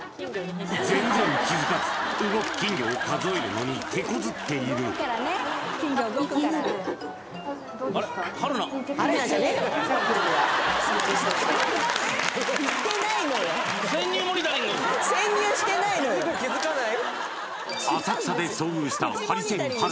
全然気づかず動く金魚を数えるのに手こずっている春菜じゃねえわ・気づかない？